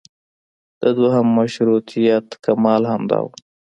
د دویم مشروطیت کمال همدا و.